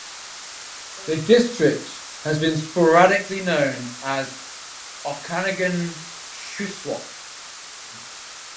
The district has been sporadically known as Okanagan-Shuswap.